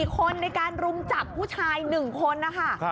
๔คนในการรุมจับผู้ชาย๑คนนะคะ